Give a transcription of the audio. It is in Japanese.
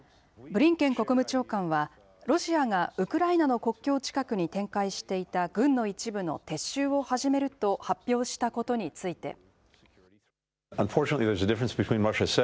ブリンケン国務長官は、ロシアがウクライナの国境近くに展開していた軍の一部の撤収を始めると発表したことについて。